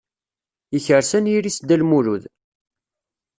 Yekres anyir-is Dda Lmulud.